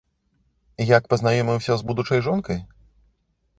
Як пазнаёміўся з будучай жонкай?